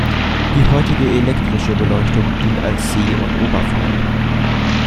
Die heutige elektrische Beleuchtung dient als See- und Oberfeuer.